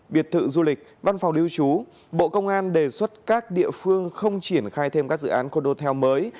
biệt thự du lịch văn phòng lưu trú bộ công an đề xuất các địa phương không triển khai thêm các dự án condotel mới